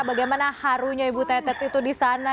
bagaimana harunya ibu tetet itu di sana